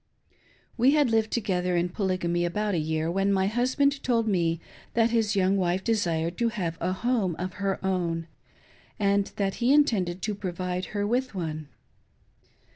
We had lived together in Polygamy about a year, when my husband told me that his young wife desired to have a home of her own, and that he intended to provide her with one.